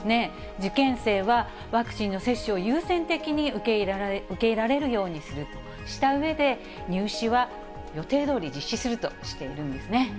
受験生は、ワクチンの接種を優先的に受けられるようにするとしたうえで、入試は予定どおり実施するとしているんですね。